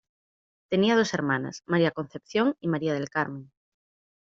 Tenía dos hermanas; María Concepción y María del Carmen.